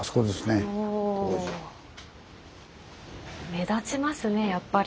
目立ちますねやっぱり。